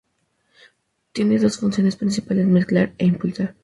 Tiene dos funciones principales: mezclar e impulsar.